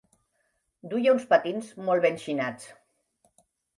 Duia uns patins molt ben xinats.